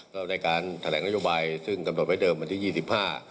เราในการแถลงนโยบายซึ่งตำรวจไว้เดิมวันที่๒๕